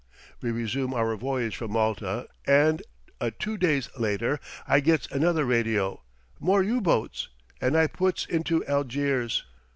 "We resume our voyage from Malta, and a two days later I gets another radio more U boats and I puts into Algiers.